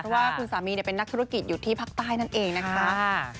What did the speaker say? เพราะว่าคุณสามีเป็นนักธุรกิจอยู่ที่ภาคใต้นั่นเองนะคะ